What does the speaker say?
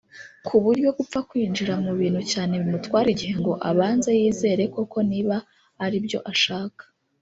ku buryo gupfa kwinjira mu bintu cyane bimutwara igihe ngo abanze yizere koko niba aribyo ashaka